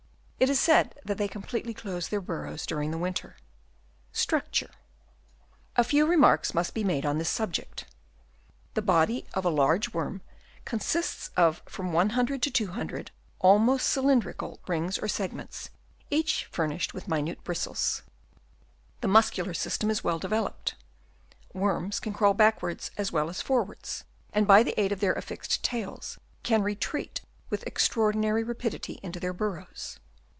It is said that they completely close their burrows during the winter. Structure. — A few remarks must be made on this subject. The body of a large worm Chap. I. THEIR STRUCTURE. 17 consists of from 100 to 200 almost cylindrical rings or segments, each furnished with minute bristles. The muscular system is well developed. Worms can crawl backwards as well as forwards, and by the aid of their affixed tails can retreat with extraordinary rapidity into their burrows.